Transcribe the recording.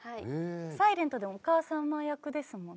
『ｓｉｌｅｎｔ』でもお母さま役ですもんね。